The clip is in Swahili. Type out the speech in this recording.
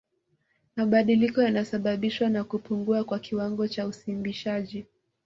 Mabadiliko yanasababishwa na kupungua kwa kiwango cha usimbishaji